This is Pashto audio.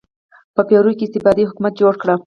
په پیرو کې استبدادي حکومت جوړ کړ.